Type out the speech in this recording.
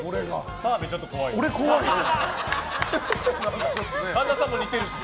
澤部ちょっと怖いよね。